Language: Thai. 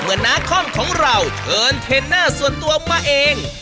เมื่อน้าคล่องของเราเชิญเทนเนอร์ส่วนตัวมาเอง